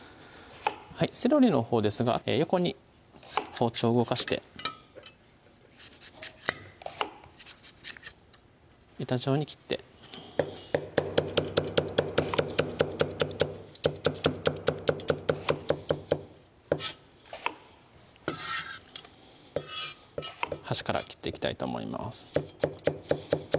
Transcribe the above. セロリのほうですが横に包丁を動かして板状に切って端から切っていきたいと思います